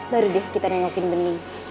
baru deh kita nengokin benih